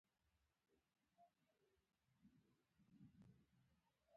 پکورې د ساده خوړو عظمت ښيي